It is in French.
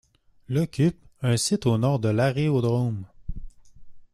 L' occupe un site au nord de l'aérodrome.